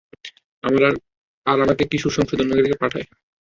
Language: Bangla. আর আমাকে কিশোর সংশোধনগারে পাঠায়।